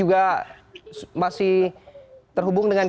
saya ke pak dhani